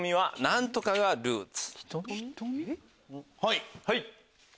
はい。